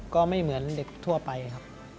ก็ไม่เหมือนเด็กทั่วไปครับ